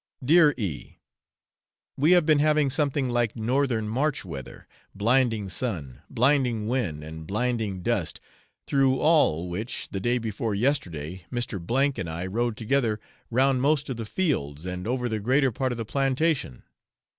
Dear E . We have been having something like northern March weather blinding sun, blinding wind, and blinding dust, through all which, the day before yesterday, Mr. and I rode together round most of the fields, and over the greater part of the plantation.